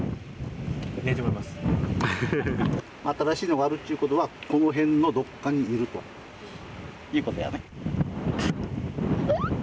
新しいのがあるっちゅうことはこの辺のどっかにいるということやね。